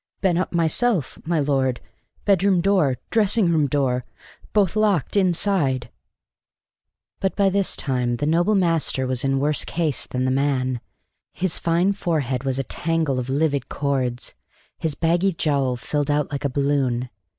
"Been up myself, my lord. Bedroom door dressing room door both locked inside!" But by this time the noble master was in worse case than the man. His fine forehead was a tangle of livid cords; his baggy jowl filled out like a balloon.